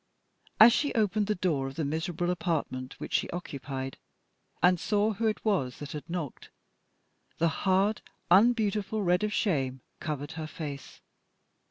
As she opened the door of the miserable apartment which she occupied, and saw who it was that had knocked, the hard, unbeautiful red of shame covered her face.